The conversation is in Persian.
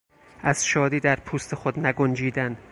از شادی در پوست خود نگنجیدن